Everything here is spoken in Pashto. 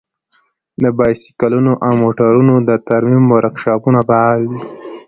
د بايسکلونو او موټرونو د ترمیم ورکشاپونه فعال دي.